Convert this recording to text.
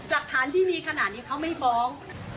หลักฐานที่มีขนาดนี้เขาไม่ฟ้อง